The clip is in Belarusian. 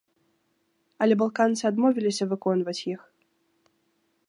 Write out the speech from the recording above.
Але балканцы адмовіліся выконваць іх.